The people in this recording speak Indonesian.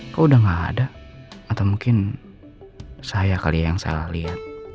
kok udah gak ada atau mungkin saya kali ya yang salah lihat